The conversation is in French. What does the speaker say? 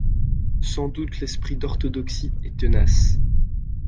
Sans doute l’esprit d’orthodoxie est tenace.